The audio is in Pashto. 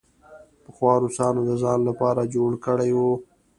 پخوا روسانو د ځان لپاره جوړ کړی وو.